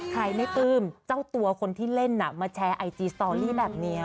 ใครไม่ปลื้มเจ้าตัวคนที่เล่นมาแชร์ไอจีสตอรี่แบบนี้